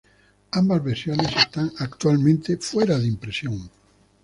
Ambas versiones están actualmente fuera de impresión.